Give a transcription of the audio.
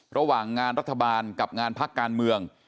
ระหว่างงานรัฐบาลกับงานพักการเมือง